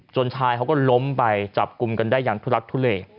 ชายเขาก็ล้มไปจับกลุ่มกันได้อย่างทุลักทุเล